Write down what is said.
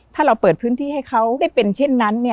ถ้าเราเปิดพื้นที่ให้เขาได้เป็นเช่นนั้น